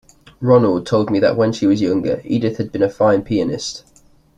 Ronald... told me that when she was younger Edith had been a fine pianist.